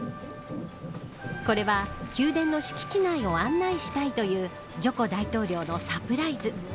これは宮殿の敷地内を案内したいというジョコ大統領のサプライズ。